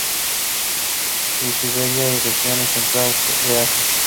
De Siberia y regiones templadas de Asia.